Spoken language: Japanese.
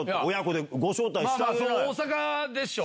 大阪でしょ？